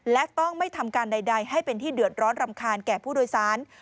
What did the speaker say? และต้องไม่ทำการใดให้เป็นที่เดือดร้อนรำคาญแก่ผู้โดยสาร